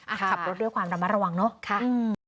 ขับรถด้วยความระมัดระวังเนอะค่ะอืม